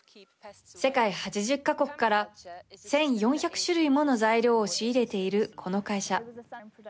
世界８０か国から１４００種類もの材料を仕入れている、この会社。